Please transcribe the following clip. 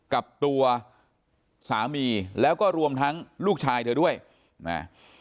กับตัวสามีแล้วก็รวมทั้งลูกชายเธอด้วยนะ